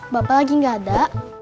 bapak lagi gak ada